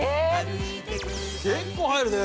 結構入るね。